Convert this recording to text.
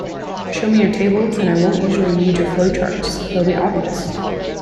Show me your tables, and I won't usually need your flowcharts; they'll be obvious.